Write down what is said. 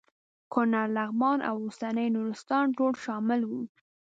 کونړ لغمان او اوسنی نورستان ټول شامل وو.